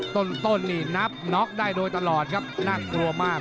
ต้นนี่นับน็อกได้โดยตลอดครับน่ากลัวมาก